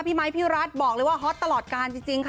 ไมค์พี่รัฐบอกเลยว่าฮอตตลอดการจริงค่ะ